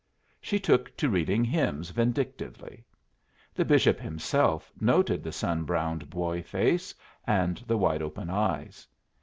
She took to reading hymns vindictively. The bishop himself noted the sun browned boy face and the wide open eyes.